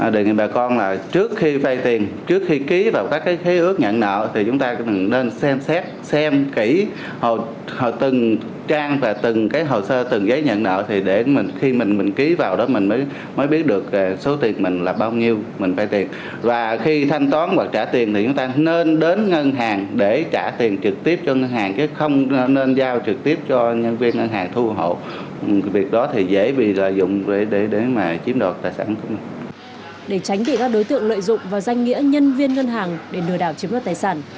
để tránh bị các đối tượng lợi dụng và danh nghĩa nhân viên ngân hàng để nửa đảo chiếm đoạt tài sản